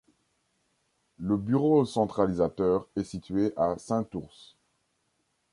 Le bureau centralisateur est situé à Saint-Ours.